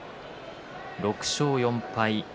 ６勝４敗。